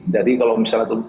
jadi kalau misalnya